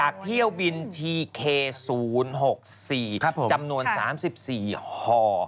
ครับผมจำนวน๓๔ห่อ